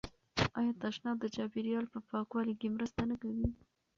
آیا تشناب د چاپیریال په پاکوالي کې مرسته نه کوي؟